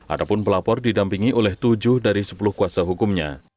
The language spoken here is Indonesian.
adapun pelapor didampingi oleh tujuh dari sepuluh kuasa hukumnya